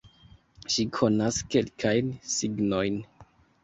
Ŝi konas kelkajn signojn